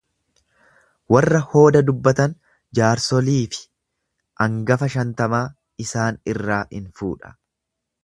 Warra hooda dubbatan, jaarsolii fi angafa shantamaa isaan irraa in fuudha.